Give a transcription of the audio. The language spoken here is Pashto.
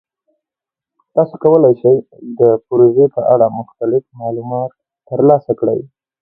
تاسو کولی شئ د پروژې په اړه مختلف معلومات ترلاسه کړئ.